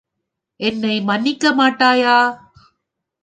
என்னை மன்னிக்க மாட்டாயா?